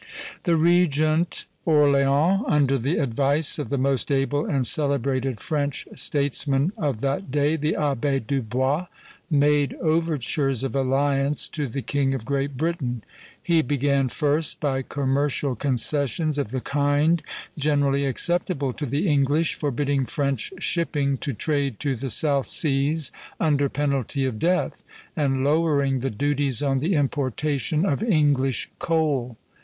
The Regent Orleans, under the advice of the most able and celebrated French statesman of that day, the Abbé Dubois, made overtures of alliance to the King of Great Britain. He began first by commercial concessions of the kind generally acceptable to the English, forbidding French shipping to trade to the South Seas under penalty of death, and lowering the duties on the importation of English coal.